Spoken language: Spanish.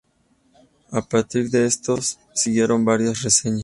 A partir de estos, siguieron varias reseñas.